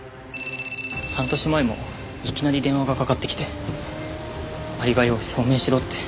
半年前もいきなり電話がかかってきてアリバイを証明しろって。